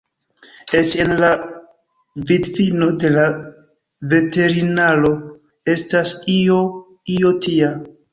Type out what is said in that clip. Eĉ en la vidvino de la veterinaro estas io, io tia.